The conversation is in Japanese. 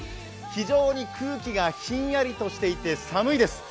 非常に空気がひんやりとしていて寒いです。